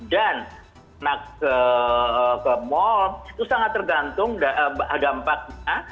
dan anak ke mall itu sangat tergantung dampaknya